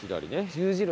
十字路。